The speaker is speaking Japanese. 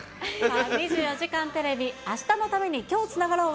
２４時間テレビ、明日のために、今日つながろう。